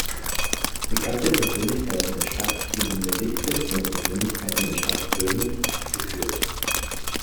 Bekannte Persönlichkeiten der Stadt sind in der Liste von Persönlichkeiten der Stadt Olmütz aufgeführt.